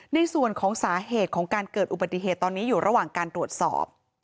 ในส่วนของสาเหตุของการเกิดอุบัติเหตุตอนนี้อยู่ระหว่างการตรวจสอบ